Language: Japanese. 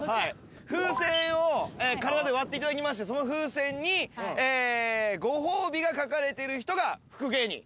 風船を体で割っていただきましてその風船にご褒美が書かれている人が福芸人。